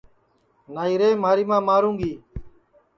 نائی رے مھاری ماں ماروں گی